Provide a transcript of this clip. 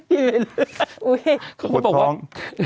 เขาก็บอกว่า